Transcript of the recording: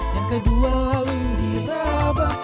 yang kedua lalu diterawang